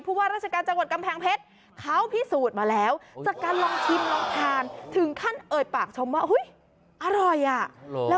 พูดว่ารัชกาศจังหวัด